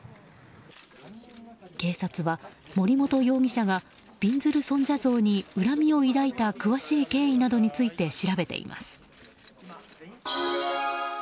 警察は森本容疑者がびんずる尊者像に恨みを抱いた詳しい経緯などについて調べています。